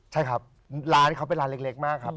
ใช่ครับร้านเขาเป็นร้านเล็กมากครับ